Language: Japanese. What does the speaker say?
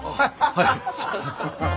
はい。